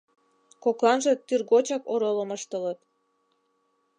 Кокланже тӱргочак оролым ыштылыт.